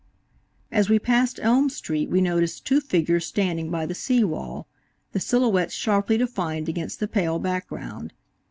As we passed Elm street we noticed two figures standing by the sea wall, the silhouettes sharply defined against the pale background.